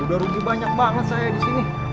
udah rugi banyak banget saya disini